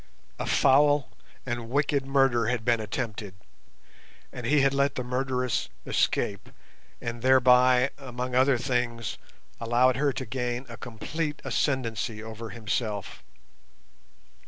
A foul and wicked murder had been attempted, and he had let the murderess escape, and thereby, among other things, allowed her to gain a complete ascendency over himself.